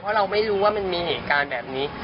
เพราะเราไม่รู้ว่ามันมีเหตุการณ์แบบนี้